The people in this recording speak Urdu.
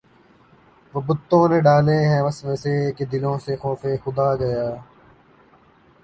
وہ بتوں نے ڈالے ہیں وسوسے کہ دلوں سے خوف خدا گیا